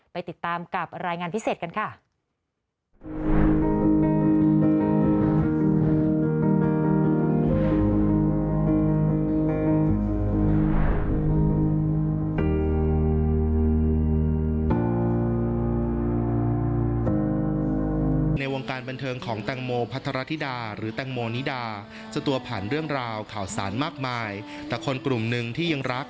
ไปติดตามกับรายงานพิเศษกันค่ะ